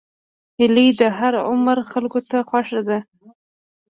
هیلۍ د هر عمر خلکو ته خوښه ده